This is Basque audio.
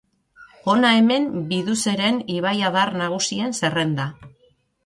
Hona hemen Biduzeren ibaiadar nagusien zerrenda.